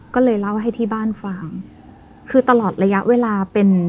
ก็เลยเล่าให้ที่บ้านฟังคือตลอดระยะเวลาเป็น